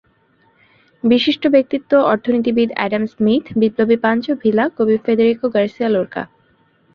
বিশিষ্ট ব্যক্তিত্ব—অর্থনীতিবিদ Adam Smith, বিপ্লবী পানচো ভিলা, কবি ফেদেরিকো গার্সিয়া লোরকা।